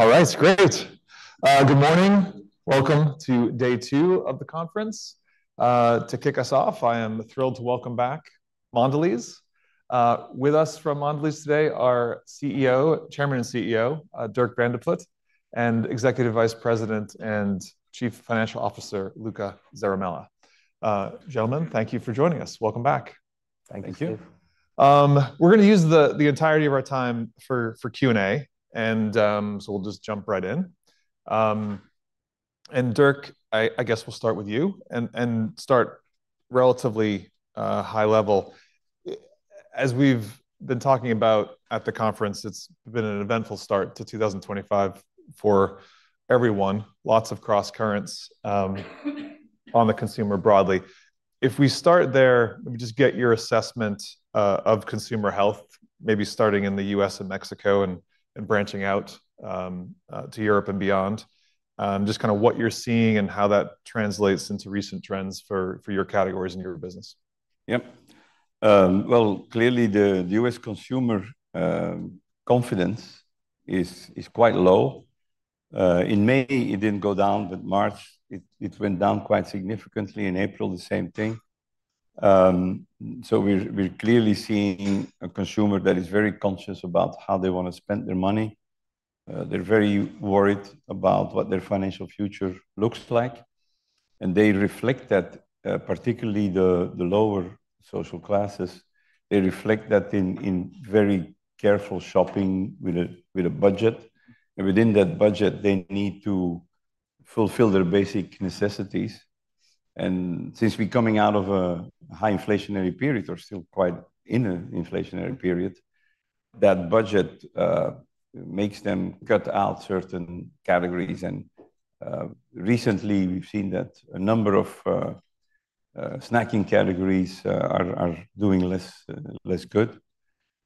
All right, great. Good morning. Welcome to day two of the conference. To kick us off, I am thrilled to welcome back Mondelez. With us from Mondelez today are Chairman and CEO Dirk Van de Put and Executive Vice President and Chief Financial Officer Luca Zaramella. Gentlemen, thank you for joining us. Welcome back. Thank you. We're going to use the entirety of our time for Q&A, and we'll just jump right in. Dirk, I guess we'll start with you and start relatively high level. As we've been talking about at the conference, it's been an eventful start to 2025 for everyone. Lots of cross currents on the consumer broadly. If we start there, let me just get your assessment of consumer health, maybe starting in the U.S. and Mexico and branching out to Europe and beyond. Just kind of what you're seeing and how that translates into recent trends for your categories and your business. Yep. Clearly the U.S. consumer confidence is quite low. In May, it did not go down, but in March it went down quite significantly. In April, the same thing. We are clearly seeing a consumer that is very conscious about how they want to spend their money. They are very worried about what their financial future looks like. They reflect that, particularly the lower social classes. They reflect that in very careful shopping with a budget. Within that budget, they need to fulfill their basic necessities. Since we are coming out of a high inflationary period, we are still quite in an inflationary period, that budget makes them cut out certain categories. Recently, we have seen that a number of snacking categories are doing less good.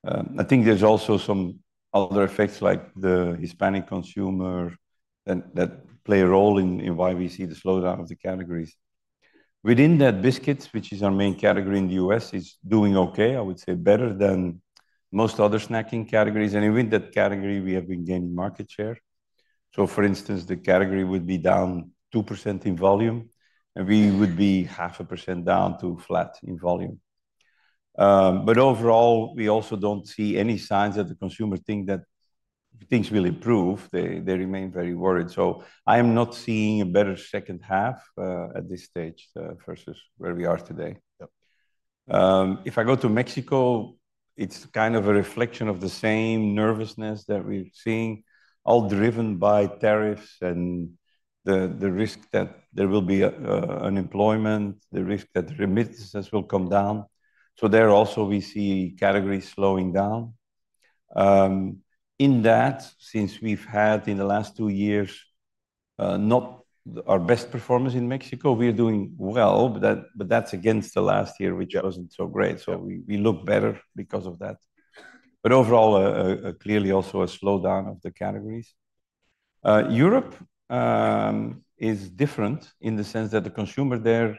I think there are also some other effects, like the Hispanic consumer, that play a role in why we see the slowdown of the categories. Within that, biscuits, which is our main category in the U.S., is doing okay, I would say better than most other snacking categories. Within that category, we have been gaining market share. For instance, the category would be down 2% in volume, and we would be half a percent down to flat in volume. Overall, we also do not see any signs that the consumer thinks that things will improve. They remain very worried. I am not seeing a better second half at this stage versus where we are today. If I go to Mexico, it is kind of a reflection of the same nervousness that we are seeing, all driven by tariffs and the risk that there will be unemployment, the risk that remittances will come down. There also, we see categories slowing down. In that, since we've had in the last two years not our best performance in Mexico, we're doing well, but that's against the last year, which wasn't so great. We look better because of that. Overall, clearly also a slowdown of the categories. Europe is different in the sense that the consumer there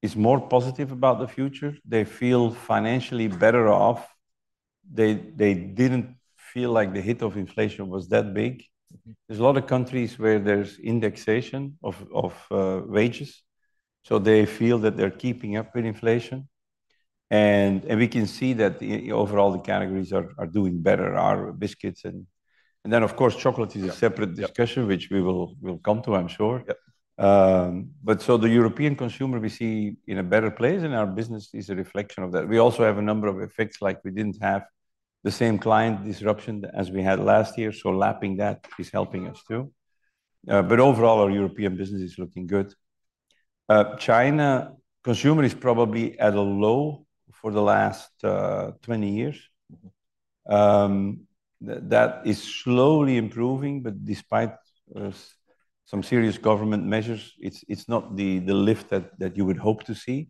is more positive about the future. They feel financially better off. They didn't feel like the hit of inflation was that big. There's a lot of countries where there's indexation of wages. They feel that they're keeping up with inflation. We can see that overall the categories are doing better, our biscuits. Of course, chocolate is a separate discussion, which we will come to, I'm sure. The European consumer, we see in a better place, and our business is a reflection of that. We also have a number of effects, like we didn't have the same client disruption as we had last year. Lapping that is helping us too. Overall, our European business is looking good. China consumer is probably at a low for the last 20 years. That is slowly improving, but despite some serious government measures, it's not the lift that you would hope to see.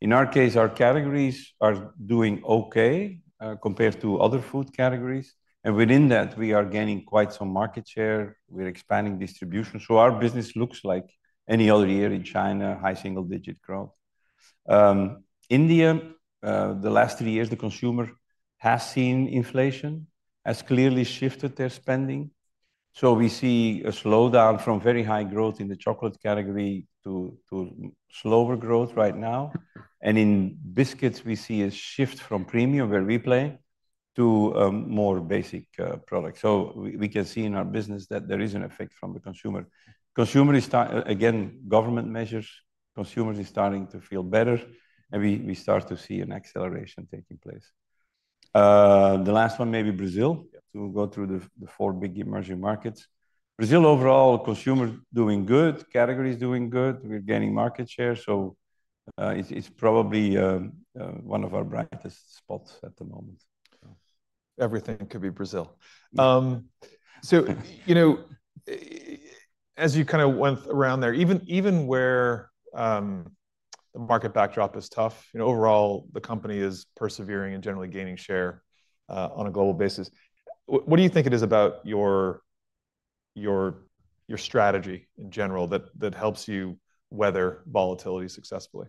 In our case, our categories are doing okay compared to other food categories. Within that, we are gaining quite some market share. We're expanding distribution. Our business looks like any other year in China, high single-digit growth. India, the last three years, the consumer has seen inflation has clearly shifted their spending. We see a slowdown from very high growth in the chocolate category to slower growth right now. In biscuits, we see a shift from premium, where we play, to more basic products. We can see in our business that there is an effect from the consumer. Consumer is, again, government measures. Consumers are starting to feel better, and we start to see an acceleration taking place. The last one, maybe Brazil, to go through the four big emerging markets. Brazil, overall, consumer doing good, categories doing good. We're gaining market share. It is probably one of our brightest spots at the moment. Everything could be Brazil. As you kind of went around there, even where the market backdrop is tough, overall, the company is persevering and generally gaining share on a global basis. What do you think it is about your strategy in general that helps you weather volatility successfully?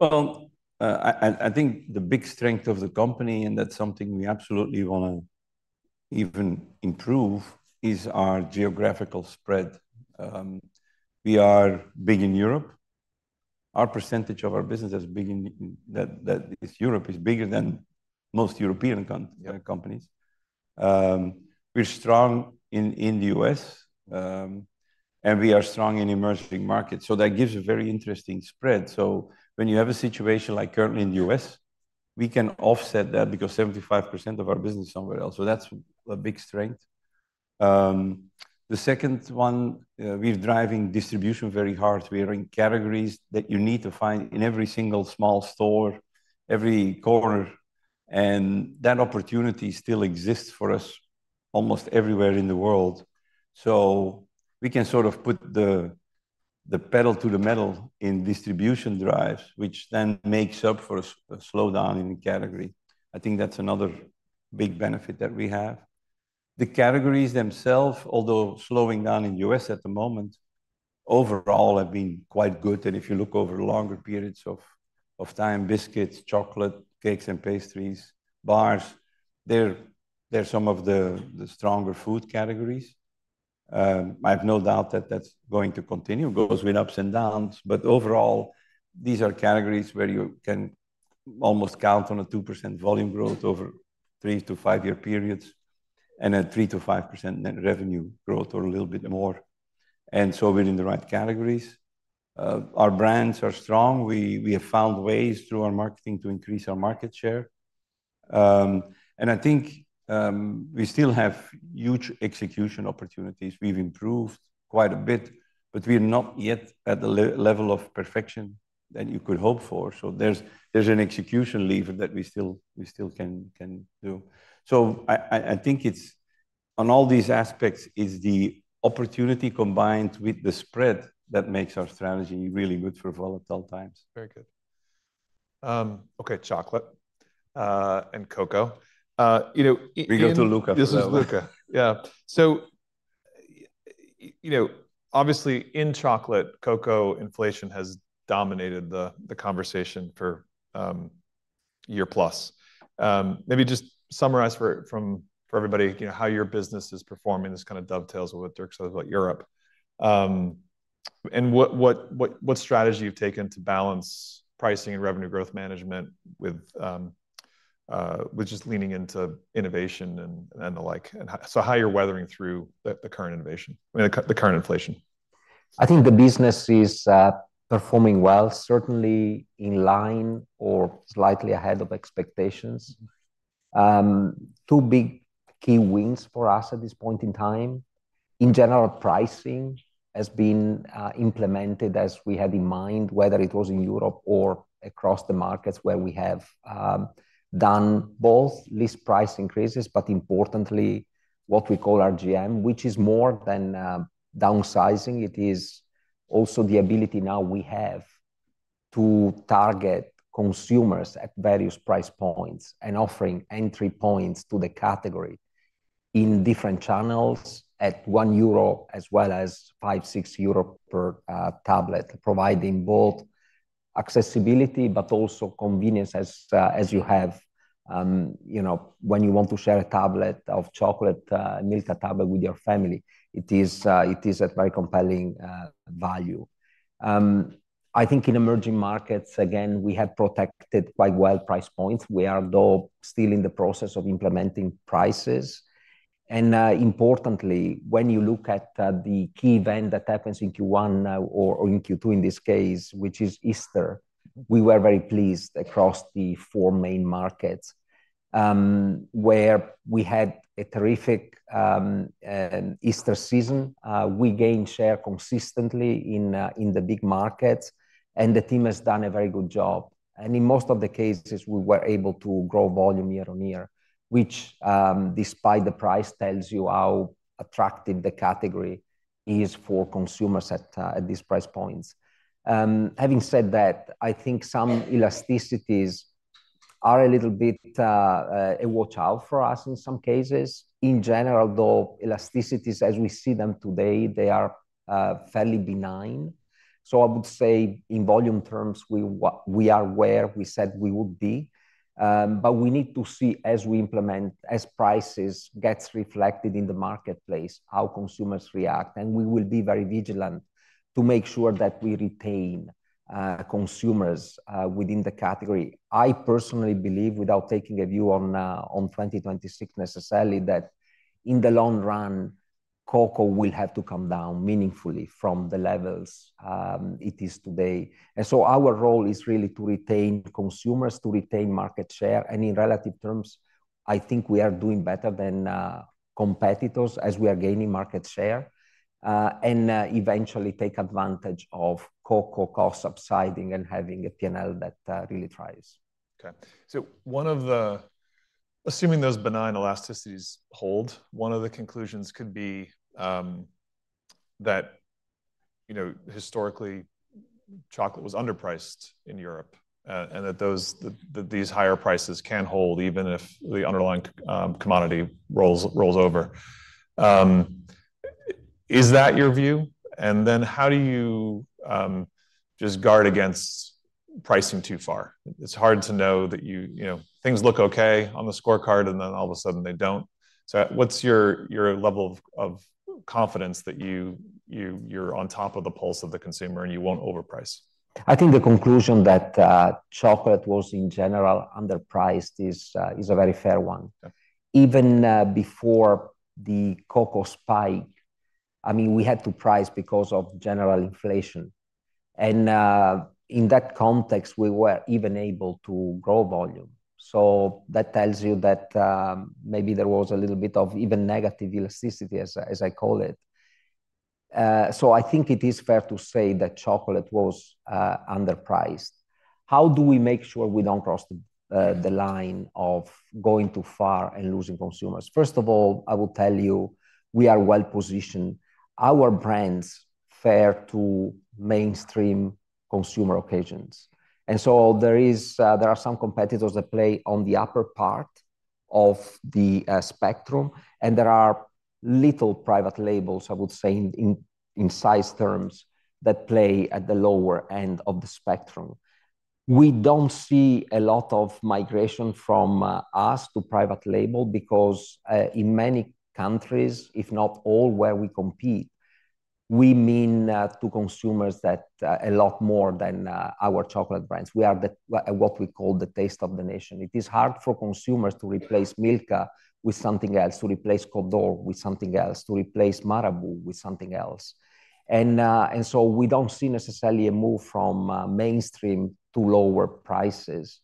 I think the big strength of the company, and that's something we absolutely want to even improve, is our geographical spread. We are big in Europe. Our percentage of our business is big in that Europe is bigger than most European companies. We're strong in the U.S., and we are strong in emerging markets. That gives a very interesting spread. When you have a situation like currently in the U.S., we can offset that because 75% of our business is somewhere else. That's a big strength. The second one, we're driving distribution very hard. We are in categories that you need to find in every single small store, every corner. That opportunity still exists for us almost everywhere in the world. We can sort of put the pedal to the metal in distribution drives, which then makes up for a slowdown in the category. I think that's another big benefit that we have. The categories themselves, although slowing down in the U.S. at the moment, overall have been quite good. If you look over longer periods of time, biscuits, chocolate, cakes, and pastries, bars, they're some of the stronger food categories. I have no doubt that that's going to continue, goes with ups and downs. Overall, these are categories where you can almost count on a 2% volume growth over three- to five-year periods and a 3%-5% revenue growth or a little bit more. We are in the right categories. Our brands are strong. We have found ways through our marketing to increase our market share. I think we still have huge execution opportunities. We've improved quite a bit, but we're not yet at the level of perfection that you could hope for. There's an execution lever that we still can do. I think on all these aspects, it's the opportunity combined with the spread that makes our strategy really good for volatile times. Very good. Okay, chocolate and cocoa. We go to Luca for that. This is Luca. Yeah. Obviously, in chocolate, cocoa inflation has dominated the conversation for a year plus. Maybe just summarize for everybody how your business is performing. This kind of dovetails with what Dirk says about Europe. What strategy you've taken to balance pricing and revenue growth management with just leaning into innovation and the like. How you're weathering through the current inflation? I think the business is performing well, certainly in line or slightly ahead of expectations. Two big key wins for us at this point in time. In general, pricing has been implemented as we had in mind, whether it was in Europe or across the markets where we have done both least price increases, but importantly, what we call RGM, which is more than downsizing. It is also the ability now we have to target consumers at various price points and offering entry points to the category in different channels at 1 euro as well as 5, 6 euro per tablet, providing both accessibility, but also convenience as you have when you want to share a tablet of chocolate, a milk tablet with your family. It is a very compelling value. I think in emerging markets, again, we have protected quite well price points. We are though still in the process of implementing prices. Importantly, when you look at the key event that happens in Q1 or in Q2 in this case, which is Easter, we were very pleased across the four main markets where we had a terrific Easter season. We gained share consistently in the big markets, and the team has done a very good job. In most of the cases, we were able to grow volume year on year, which despite the price tells you how attractive the category is for consumers at these price points. Having said that, I think some elasticities are a little bit a watch-out for us in some cases. In general, though, elasticities, as we see them today, they are fairly benign. I would say in volume terms, we are where we said we would be. We need to see as we implement, as prices get reflected in the marketplace, how consumers react. We will be very vigilant to make sure that we retain consumers within the category. I personally believe, without taking a view on 2026 necessarily, that in the long run, cocoa will have to come down meaningfully from the levels it is today. Our role is really to retain consumers, to retain market share. In relative terms, I think we are doing better than competitors as we are gaining market share and eventually take advantage of cocoa costs subsiding and having a P&L that really tries. Okay. Assuming those benign elasticities hold, one of the conclusions could be that historically, chocolate was underpriced in Europe and that these higher prices can hold even if the underlying commodity rolls over. Is that your view? How do you just guard against pricing too far? It's hard to know that things look okay on the scorecard, and then all of a sudden, they don't. What's your level of confidence that you're on top of the pulse of the consumer and you won't overprice? I think the conclusion that chocolate was in general underpriced is a very fair one. Even before the cocoa spike, I mean, we had to price because of general inflation. In that context, we were even able to grow volume. That tells you that maybe there was a little bit of even negative elasticity, as I call it. I think it is fair to say that chocolate was underpriced. How do we make sure we do not cross the line of going too far and losing consumers? First of all, I will tell you, we are well-positioned. Our brands fare to mainstream consumer occasions. There are some competitors that play on the upper part of the spectrum, and there are little private labels, I would say, in size terms that play at the lower end of the spectrum. We do not see a lot of migration from us to private label because in many countries, if not all where we compete, we mean to consumers a lot more than our chocolate brands. We are what we call the taste of the nation. It is hard for consumers to replace Milka with something else, to replace Cadbury with something else, to replace Marabou with something else. We do not see necessarily a move from mainstream to lower prices.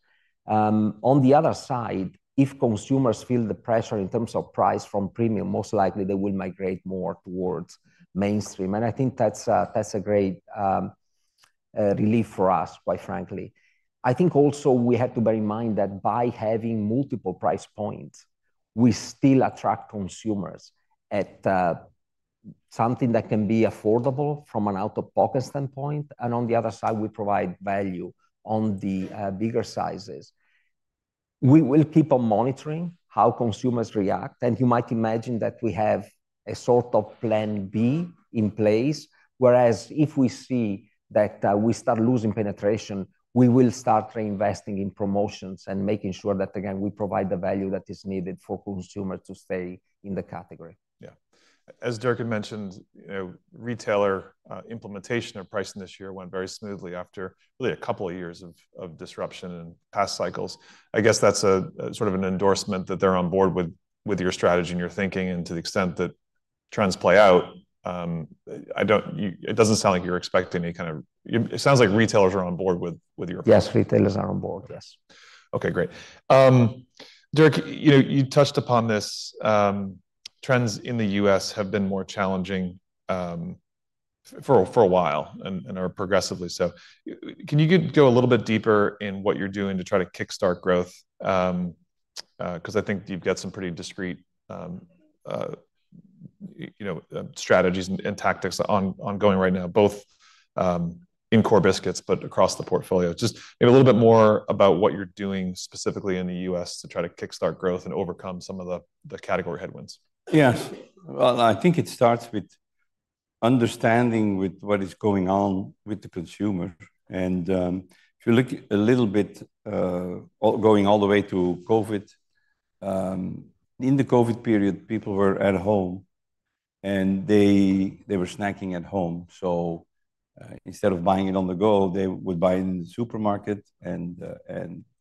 On the other side, if consumers feel the pressure in terms of price from premium, most likely they will migrate more towards mainstream. I think that is a great relief for us, quite frankly. I think also we have to bear in mind that by having multiple price points, we still attract consumers at something that can be affordable from an out-of-pocket standpoint. On the other side, we provide value on the bigger sizes. We will keep on monitoring how consumers react. You might imagine that we have a sort of plan B in place, whereas if we see that we start losing penetration, we will start reinvesting in promotions and making sure that, again, we provide the value that is needed for consumers to stay in the category. Yeah. As Dirk had mentioned, retailer implementation of pricing this year went very smoothly after really a couple of years of disruption and past cycles. I guess that's sort of an endorsement that they're on board with your strategy and your thinking and to the extent that trends play out. It doesn't sound like you're expecting any kind of, it sounds like retailers are on board with your. Yes, retailers are on board, yes. Okay, great. Dirk, you touched upon this. Trends in the U.S. have been more challenging for a while and are progressively so. Can you go a little bit deeper in what you're doing to try to kickstart growth? Because I think you've got some pretty discrete strategies and tactics ongoing right now, both in core biscuits, but across the portfolio. Just maybe a little bit more about what you're doing specifically in the U.S. to try to kickstart growth and overcome some of the category headwinds. Yes. I think it starts with understanding what is going on with the consumer. If you look a little bit going all the way to COVID, in the COVID period, people were at home, and they were snacking at home. Instead of buying it on the go, they would buy it in the supermarket and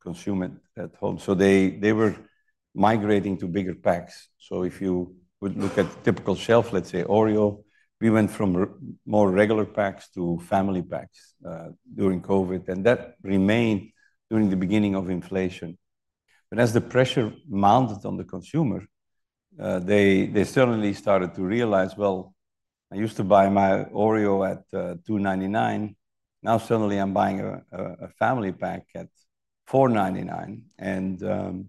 consume it at home. They were migrating to bigger packs. If you would look at a typical shelf, let's say Oreo, we went from more regular packs to family packs during COVID. That remained during the beginning of inflation. As the pressure mounted on the consumer, they suddenly started to realize, I used to buy my Oreo at $2.99. Now suddenly, I'm buying a family pack at $4.99.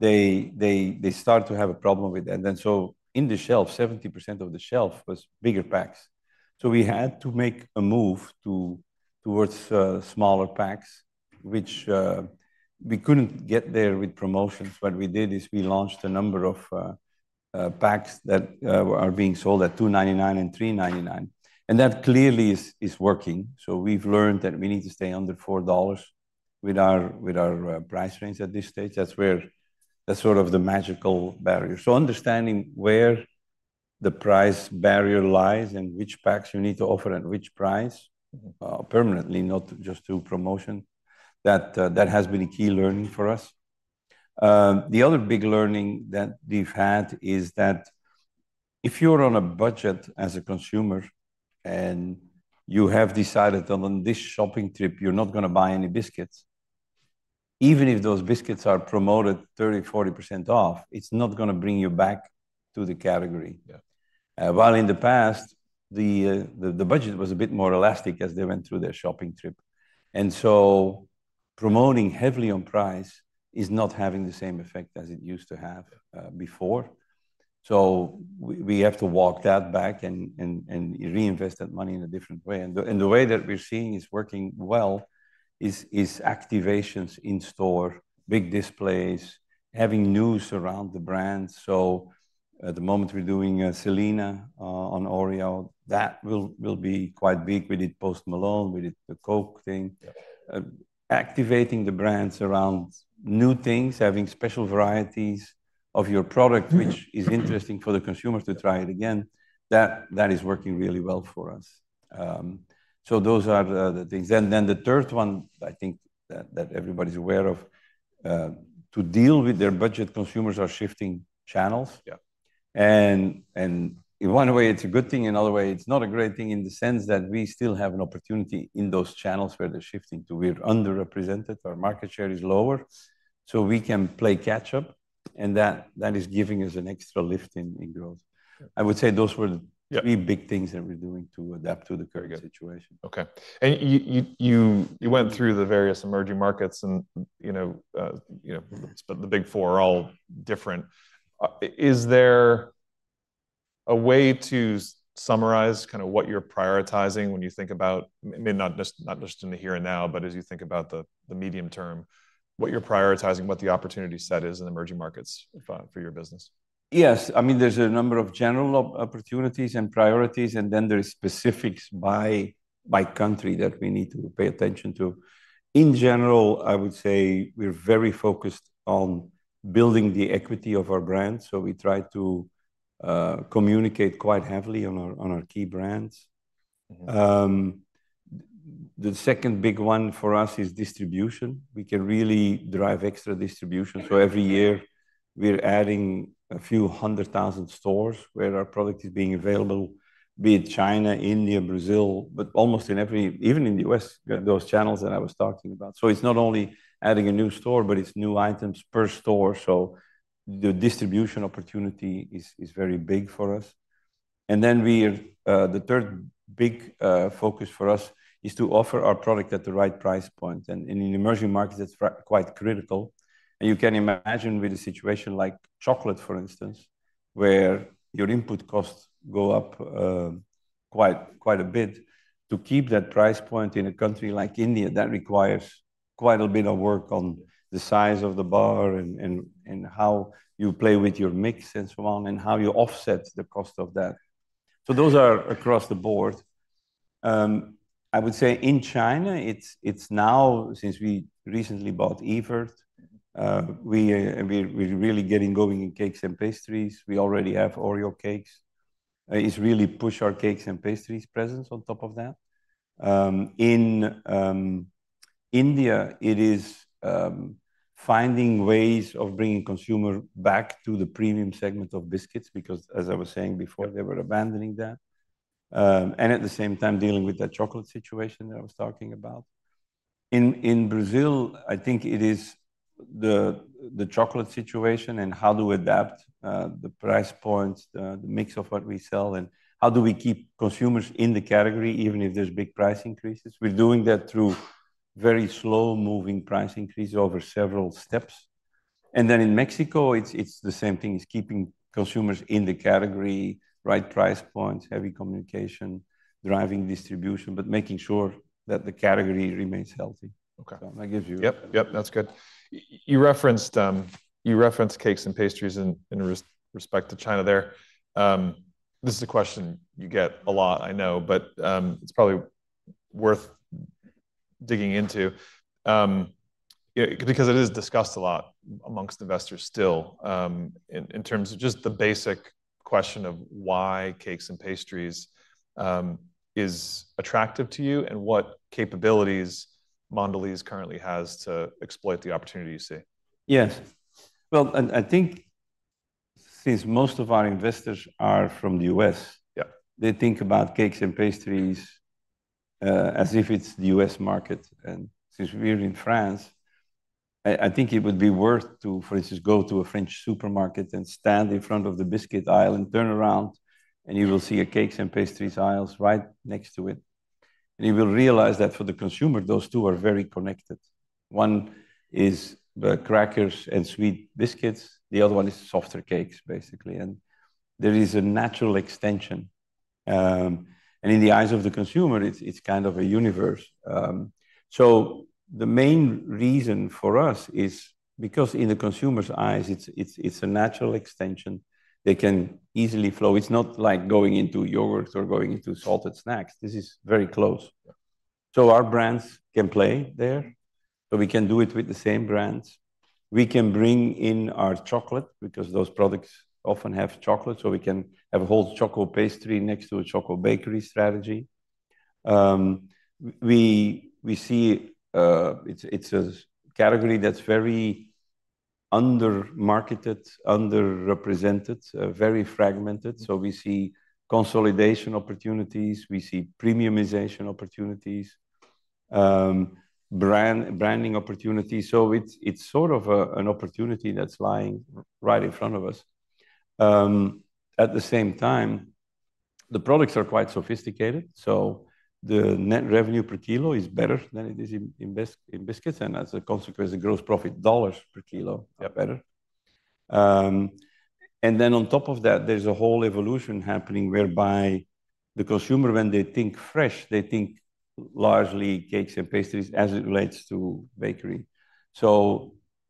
They start to have a problem with that. In the shelf, 70% of the shelf was bigger packs. We had to make a move towards smaller packs, which we couldn't get there with promotions. What we did is we launched a number of packs that are being sold at $2.99 and $3.99. That clearly is working. We've learned that we need to stay under $4 with our price range at this stage. That's sort of the magical barrier. Understanding where the price barrier lies and which packs you need to offer at which price permanently, not just through promotion, that has been a key learning for us. The other big learning that we've had is that if you're on a budget as a consumer and you have decided that on this shopping trip, you're not going to buy any biscuits, even if those biscuits are promoted 30%-40% off, it's not going to bring you back to the category. While in the past, the budget was a bit more elastic as they went through their shopping trip. Promoting heavily on price is not having the same effect as it used to have before. We have to walk that back and reinvest that money in a different way. The way that we're seeing is working well is activations in store, big displays, having news around the brands. At the moment, we're doing Selena on Oreo. That will be quite big with it, Post Malone, with it, the Coke thing. Activating the brands around new things, having special varieties of your product, which is interesting for the consumers to try it again, that is working really well for us. Those are the things. The third one, I think that everybody's aware of, to deal with their budget, consumers are shifting channels. In one way, it's a good thing. In another way, it's not a great thing in the sense that we still have an opportunity in those channels where they're shifting to where we're underrepresented. Our market share is lower, so we can play catch-up. That is giving us an extra lift in growth. I would say those were the three big things that we're doing to adapt to the current situation. Okay. You went through the various emerging markets, and the big four are all different. Is there a way to summarize kind of what you're prioritizing when you think about, not just in the here and now, but as you think about the medium term, what you're prioritizing, what the opportunity set is in emerging markets for your business? Yes. I mean, there's a number of general opportunities and priorities, and then there are specifics by country that we need to pay attention to. In general, I would say we're very focused on building the equity of our brand. So we try to communicate quite heavily on our key brands. The second big one for us is distribution. We can really drive extra distribution. Every year, we're adding a few hundred thousand stores where our product is being available, be it China, India, Brazil, but almost in every, even in the U.S., those channels that I was talking about. It's not only adding a new store, but it's new items per store. The distribution opportunity is very big for us. The third big focus for us is to offer our product at the right price point. In emerging markets, it's quite critical. You can imagine with a situation like chocolate, for instance, where your input costs go up quite a bit. To keep that price point in a country like India, that requires quite a bit of work on the size of the bar and how you play with your mix and so on and how you offset the cost of that. Those are across the board. I would say in China, now, since we recently bought Evertz, we are really getting going in cakes and pastries. We already have Oreo cakes. It is really pushing our cakes and pastries presence on top of that. In India, it is finding ways of bringing consumers back to the premium segment of biscuits because, as I was saying before, they were abandoning that. At the same time, dealing with that chocolate situation that I was talking about. In Brazil, I think it is the chocolate situation and how to adapt the price points, the mix of what we sell, and how do we keep consumers in the category even if there's big price increases. We're doing that through very slow-moving price increases over several steps. In Mexico, it's the same thing. It's keeping consumers in the category, right price points, heavy communication, driving distribution, but making sure that the category remains healthy. That gives you. Yep, yep, that's good. You referenced cakes and pastries in respect to China there. This is a question you get a lot, I know, but it's probably worth digging into because it is discussed a lot amongst investors still in terms of just the basic question of why cakes and pastries is attractive to you and what capabilities Mondelez currently has to exploit the opportunity you see. Yes. I think since most of our investors are from the U.S., they think about cakes and pastries as if it is the U.S. market. Since we are in France, I think it would be worth to, for instance, go to a French supermarket and stand in front of the biscuit aisle and turn around, and you will see a cakes and pastries aisle right next to it. You will realize that for the consumer, those two are very connected. One is crackers and sweet biscuits. The other one is softer cakes, basically. There is a natural extension. In the eyes of the consumer, it is kind of a universe. The main reason for us is because in the consumer's eyes, it is a natural extension. They can easily flow. It is not like going into yogurt or going into salted snacks. This is very close. Our brands can play there. We can do it with the same brands. We can bring in our chocolate because those products often have chocolate. We can have a whole chocolate pastry next to a chocolate bakery strategy. We see it is a category that is very undermarketed, underrepresented, very fragmented. We see consolidation opportunities. We see premiumization opportunities, branding opportunities. It is sort of an opportunity that is lying right in front of us. At the same time, the products are quite sophisticated. The net revenue per kilo is better than it is in biscuits. As a consequence, the gross profit dollars per kilo are better. On top of that, there is a whole evolution happening whereby the consumer, when they think fresh, they think largely cakes and pastries as it relates to bakery.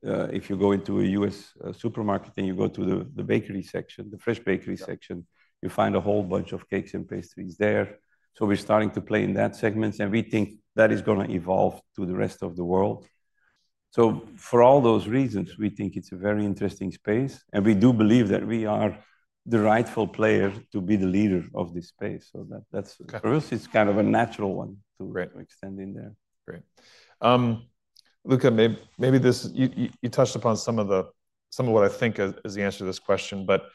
If you go into a U.S. supermarket and you go to the bakery section, the fresh bakery section, you find a whole bunch of cakes and pastries there. We are starting to play in that segment. We think that is going to evolve to the rest of the world. For all those reasons, we think it is a very interesting space. We do believe that we are the rightful player to be the leader of this space. For us, it is kind of a natural one to extend in there. Great. Luca, maybe you touched upon some of what I think is the answer to this question, but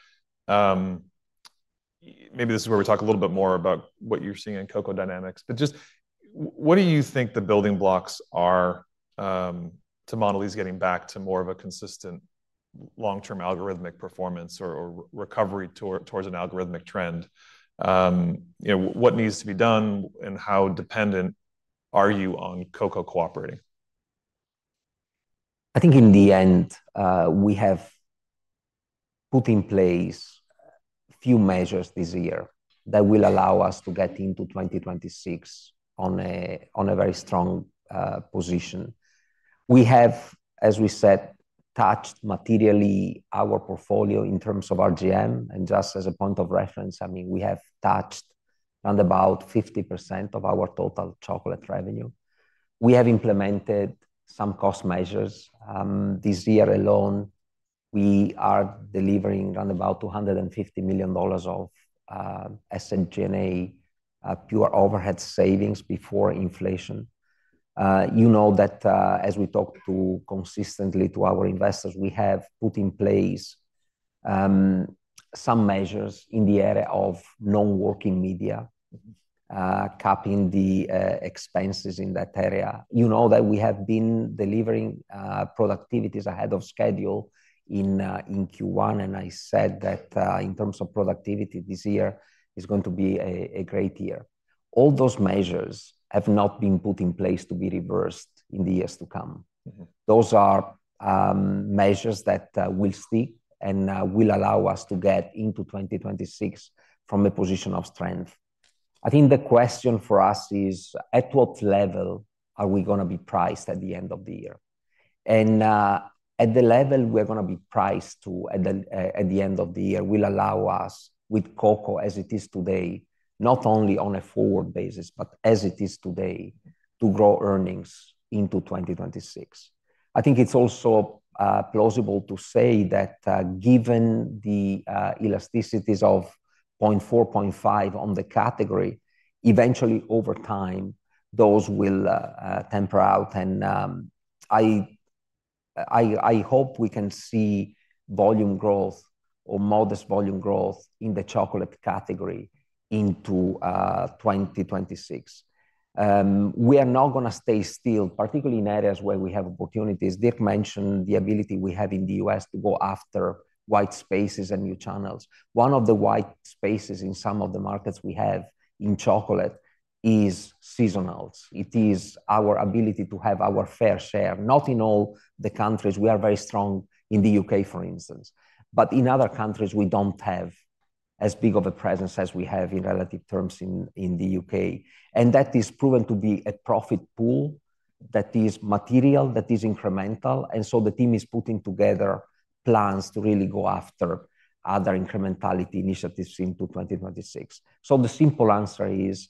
maybe this is where we talk a little bit more about what you're seeing in Cocoa Dynamics. Just what do you think the building blocks are to Mondelez getting back to more of a consistent long-term algorithmic performance or recovery towards an algorithmic trend? What needs to be done and how dependent are you on Cocoa cooperating? I think in the end, we have put in place a few measures this year that will allow us to get into 2026 on a very strong position. We have, as we said, touched materially our portfolio in terms of RGM. And just as a point of reference, I mean, we have touched around about 50% of our total chocolate revenue. We have implemented some cost measures. This year alone, we are delivering around about $250 million of SMG&A pure overhead savings before inflation. You know that as we talk consistently to our investors, we have put in place some measures in the area of non-working media, capping the expenses in that area. You know that we have been delivering productivities ahead of schedule in Q1. And I said that in terms of productivity, this year is going to be a great year. All those measures have not been put in place to be reversed in the years to come. Those are measures that will stick and will allow us to get into 2026 from a position of strength. I think the question for us is at what level are we going to be priced at the end of the year? At the level we are going to be priced to at the end of the year will allow us, with cocoa as it is today, not only on a forward basis, but as it is today, to grow earnings into 2026. I think it is also plausible to say that given the elasticities of 0.4, 0.5 on the category, eventually over time, those will temper out. I hope we can see volume growth or modest volume growth in the chocolate category into 2026. We are not going to stay still, particularly in areas where we have opportunities. Dirk mentioned the ability we have in the U.S. to go after white spaces and new channels. One of the white spaces in some of the markets we have in chocolate is seasonals. It is our ability to have our fair share. Not in all the countries. We are very strong in the U.K., for instance. In other countries, we do not have as big of a presence as we have in relative terms in the U.K. That is proven to be a profit pool that is material, that is incremental. The team is putting together plans to really go after other incrementality initiatives into 2026. The simple answer is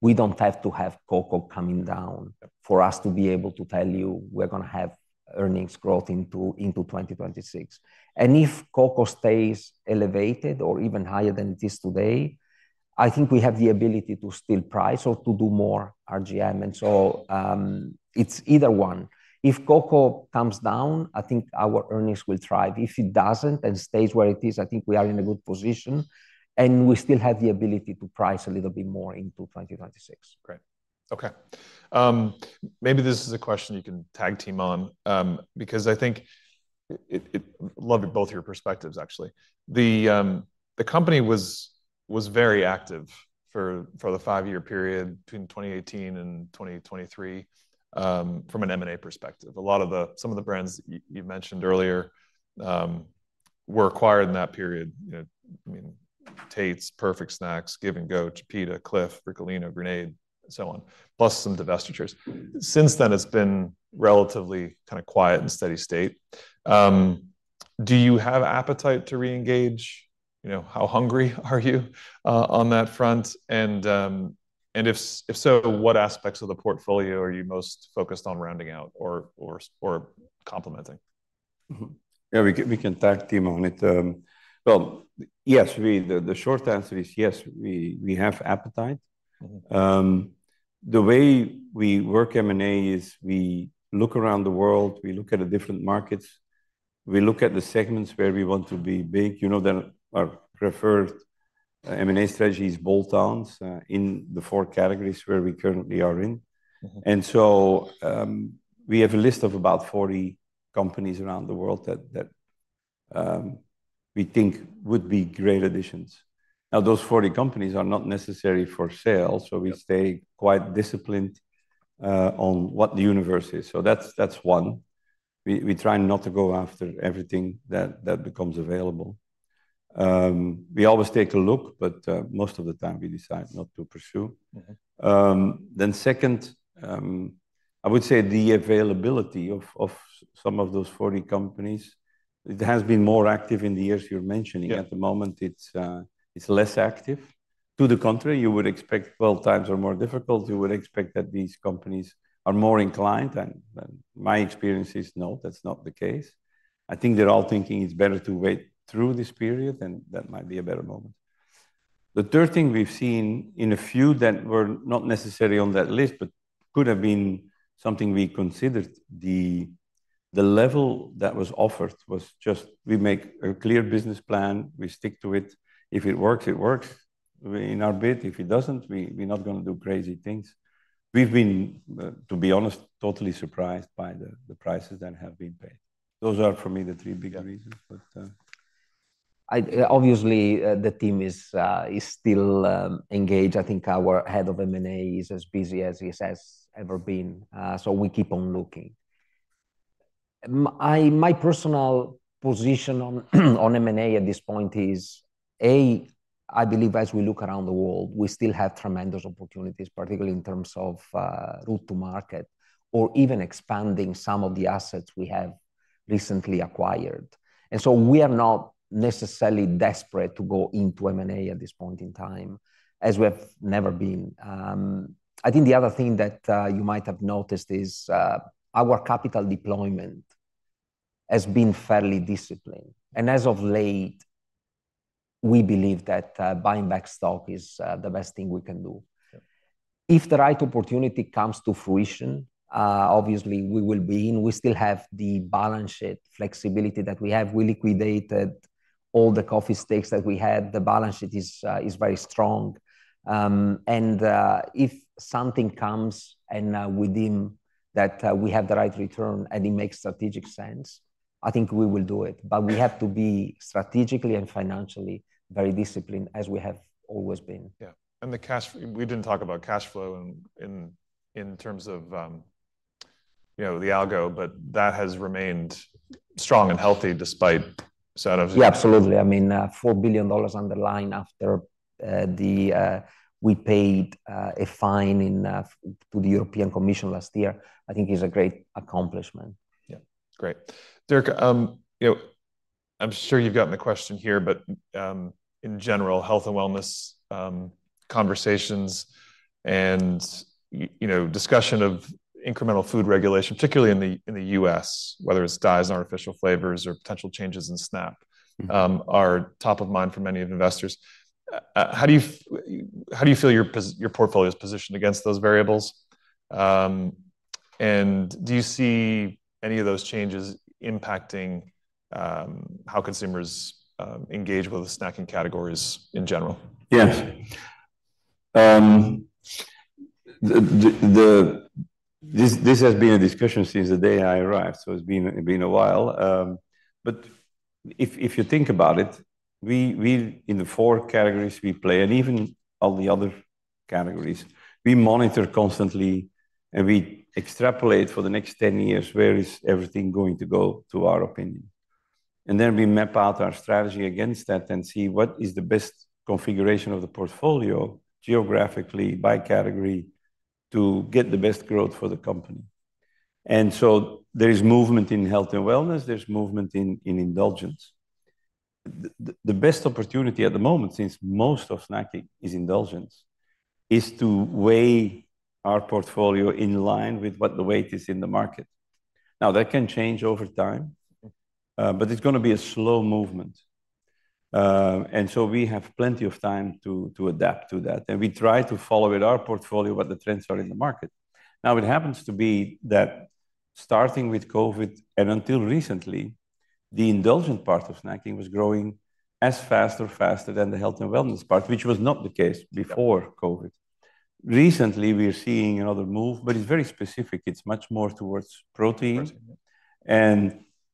we do not have to have cocoa coming down for us to be able to tell you we are going to have earnings growth into 2026. If cocoa stays elevated or even higher than it is today, I think we have the ability to still price or to do more RGM. It is either one. If cocoa comes down, I think our earnings will thrive. If it does not and stays where it is, I think we are in a good position. We still have the ability to price a little bit more into 2026. Great. Okay. Maybe this is a question you can tag team on because I think I love both of your perspectives, actually. The company was very active for the five-year period between 2018 and 2023 from an M&A perspective. A lot of some of the brands you mentioned earlier were acquired in that period. I mean, Tate's, Perfect Snacks, Give & Go, Pita, Clif Bar, Ricolino, Grenade, and so on, plus some divestitures. Since then, it's been relatively kind of quiet and steady state. Do you have appetite to reengage? How hungry are you on that front? If so, what aspects of the portfolio are you most focused on rounding out or complementing? Yeah, we can tag team on it. Yes, the short answer is yes, we have appetite. The way we work M&A is we look around the world. We look at different markets. We look at the segments where we want to be big. You know that our preferred M&A strategy is bolt-ons in the four categories where we currently are in. We have a list of about 40 companies around the world that we think would be great additions. Now, those 40 companies are not necessarily for sale. We stay quite disciplined on what the universe is. That is one. We try not to go after everything that becomes available. We always take a look, but most of the time, we decide not to pursue. Second, I would say the availability of some of those 40 companies. It has been more active in the years you're mentioning. At the moment, it's less active. To the contrary, you would expect 12 times or more difficult. You would expect that these companies are more inclined. My experience is no, that's not the case. I think they're all thinking it's better to wait through this period, and that might be a better moment. The third thing we've seen in a few that were not necessarily on that list, but could have been something we considered, the level that was offered was just we make a clear business plan. We stick to it. If it works, it works in our bit. If it doesn't, we're not going to do crazy things. We've been, to be honest, totally surprised by the prices that have been paid. Those are, for me, the three big reasons. Obviously, the team is still engaged. I think our Head of M&A is as busy as he has ever been. We keep on looking. My personal position on M&A at this point is, A, I believe as we look around the world, we still have tremendous opportunities, particularly in terms of route to market or even expanding some of the assets we have recently acquired. We are not necessarily desperate to go into M&A at this point in time, as we have never been. I think the other thing that you might have noticed is our capital deployment has been fairly disciplined. As of late, we believe that buying back stock is the best thing we can do. If the right opportunity comes to fruition, obviously, we will be in. We still have the balance sheet flexibility that we have. We liquidated all the coffee stakes that we had. The balance sheet is very strong. If something comes and we deem that we have the right return and it makes strategic sense, I think we will do it. We have to be strategically and financially very disciplined, as we have always been. Yeah. We did not talk about cash flow in terms of the algo, but that has remained strong and healthy despite setups. Yeah, absolutely. I mean, $4 billion on the line after we paid a fine to the European Commission last year, I think is a great accomplishment. Yeah. Great. Dirk, I'm sure you've gotten the question here, but in general, health and wellness conversations and discussion of incremental food regulation, particularly in the U.S., whether it's dyes, artificial flavors, or potential changes in SNAP, are top of mind for many investors. How do you feel your portfolio is positioned against those variables? Do you see any of those changes impacting how consumers engage with the snacking categories in general? Yes. This has been a discussion since the day I arrived. It has been a while. If you think about it, in the four categories we play, and even all the other categories, we monitor constantly. We extrapolate for the next 10 years, where is everything going to go, to our opinion. We map out our strategy against that and see what is the best configuration of the portfolio geographically, by category, to get the best growth for the company. There is movement in health and wellness. There is movement in indulgence. The best opportunity at the moment, since most of snacking is indulgence, is to weigh our portfolio in line with what the weight is in the market. That can change over time, but it is going to be a slow movement. We have plenty of time to adapt to that. We try to follow with our portfolio what the trends are in the market. Now, it happens to be that starting with COVID and until recently, the indulgent part of snacking was growing as fast or faster than the health and wellness part, which was not the case before COVID. Recently, we are seeing another move, but it's very specific. It's much more towards protein.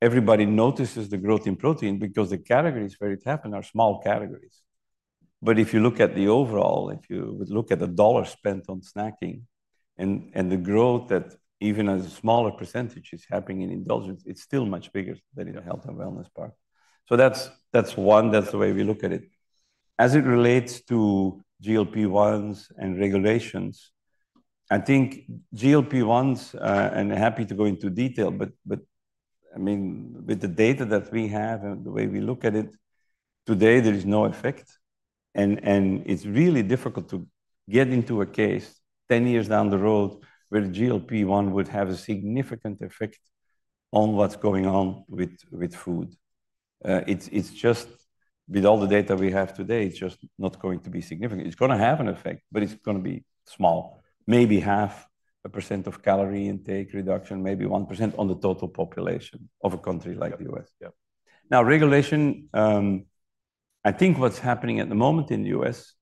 Everybody notices the growth in protein because the categories where it's happened are small categories. If you look at the overall, if you would look at the dollar spent on snacking and the growth that even a smaller percentage is happening in indulgence, it's still much bigger than in the health and wellness part. That's one. That's the way we look at it. As it relates to GLP-1s and regulations, I think GLP-1s, and I'm happy to go into detail, but I mean, with the data that we have and the way we look at it, today, there is no effect. It's really difficult to get into a case 10 years down the road where GLP-1 would have a significant effect on what's going on with food. It's just with all the data we have today, it's just not going to be significant. It's going to have an effect, but it's going to be small, maybe half a percent of calorie intake reduction, maybe 1% on the total population of a country like the U.S. Yeah. Now, regulation, I think what's happening at the moment in the U.S.,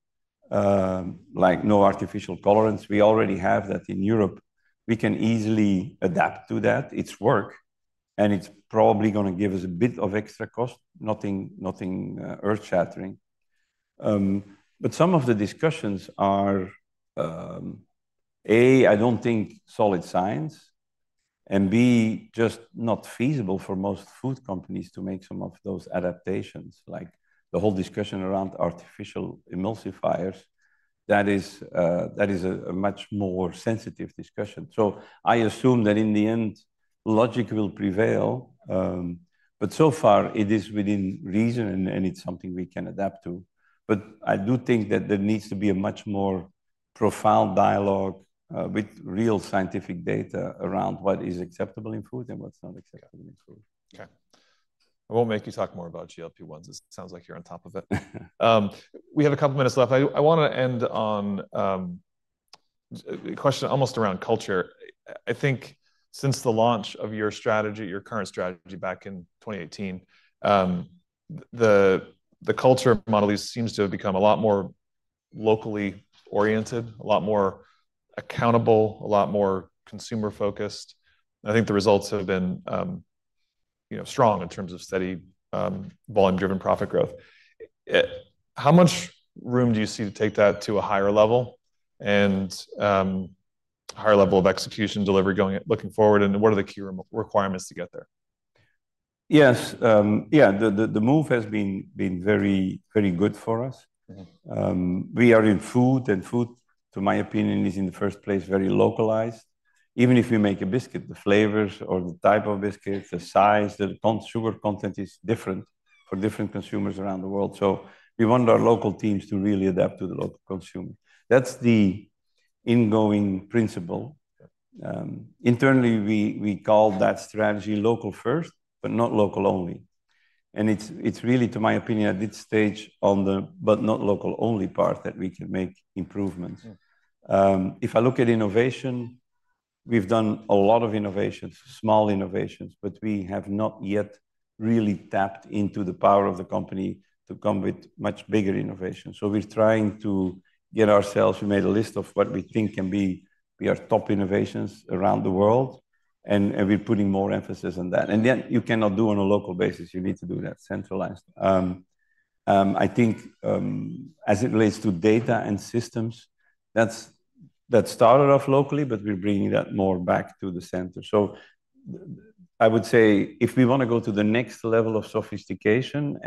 like no artificial tolerance, we already have that in Europe. We can easily adapt to that. It's work. It is probably going to give us a bit of extra cost, nothing earth-shattering. Some of the discussions are, A, I do not think solid science, and B, just not feasible for most food companies to make some of those adaptations, like the whole discussion around artificial emulsifiers. That is a much more sensitive discussion. I assume that in the end, logic will prevail. So far, it is within reason, and it is something we can adapt to. I do think that there needs to be a much more profound dialogue with real scientific data around what is acceptable in food and what is not acceptable in food. Okay. I won't make you talk more about GLP-1s. It sounds like you're on top of it. We have a couple of minutes left. I want to end on a question almost around culture. I think since the launch of your strategy, your current strategy back in 2018, the culture model seems to have become a lot more locally oriented, a lot more accountable, a lot more consumer-focused. I think the results have been strong in terms of steady volume-driven profit growth. How much room do you see to take that to a higher level and higher level of execution delivery looking forward? What are the key requirements to get there? Yes. Yeah, the move has been very good for us. We are in food, and food, to my opinion, is in the first place very localized. Even if we make a biscuit, the flavors or the type of biscuits, the size, the sugar content is different for different consumers around the world. We want our local teams to really adapt to the local consumer. That's the ingoing principle. Internally, we call that strategy local first, but not local only. It is really, to my opinion, at this stage on the but not local only part that we can make improvements. If I look at innovation, we've done a lot of innovations, small innovations, but we have not yet really tapped into the power of the company to come with much bigger innovations. We're trying to get ourselves, we made a list of what we think can be our top innovations around the world. We're putting more emphasis on that. Yet you cannot do on a local basis. You need to do that centralized. I think as it relates to data and systems, that started off locally, but we're bringing that more back to the center. I would say if we want to go to the next level of sophistication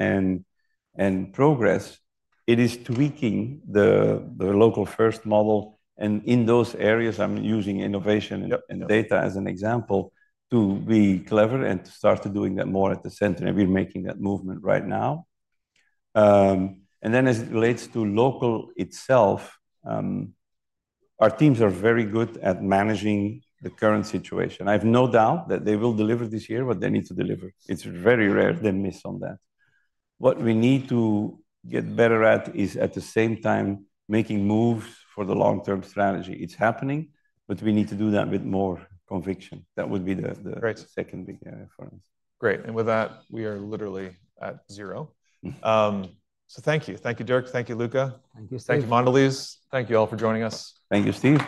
and progress, it is tweaking the local-first model. In those areas, I'm using innovation and data as an example to be clever and to start doing that more at the center. We're making that movement right now. As it relates to local itself, our teams are very good at managing the current situation. I have no doubt that they will deliver this year what they need to deliver. It is very rare they miss on that. What we need to get better at is at the same time making moves for the long-term strategy. It is happening, but we need to do that with more conviction. That would be the second big area for us. Great. And with that, we are literally at zero. So thank you. Thank you, Dirk. Thank you, Luca. Thank you, Steve. Thank you, Mondelēz. Thank you all for joining us. Thank you, Steve.